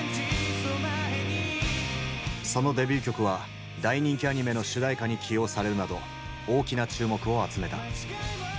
そのデビュー曲は大人気アニメの主題歌に起用されるなど大きな注目を集めた。